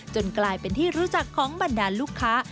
กลายเป็นที่รู้จักของบรรดาลูกค้า